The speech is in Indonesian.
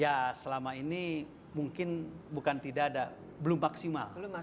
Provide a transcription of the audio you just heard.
ya selama ini mungkin bukan tidak ada belum maksimal